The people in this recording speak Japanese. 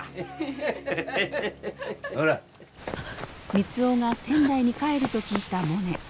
三生が仙台に帰ると聞いたモネ。